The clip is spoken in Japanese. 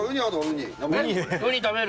ウニ食べる！